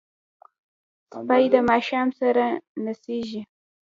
سپي د ماشوم سره نڅېږي.